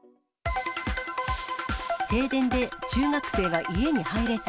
停電で中学生が家に入れず。